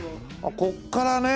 こっからね。